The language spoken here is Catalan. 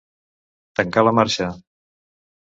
Tancar la marxa.